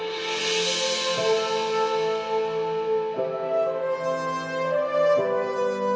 mbak glvanya juga